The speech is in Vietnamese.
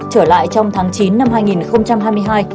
trở lại trong tháng chín năm hai nghìn hai mươi hai